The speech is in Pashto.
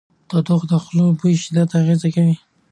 تودوخه د خولې د بوی په شدت اغېز کوي.